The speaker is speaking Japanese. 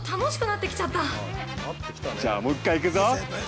じゃあ、もう一回いくぞ。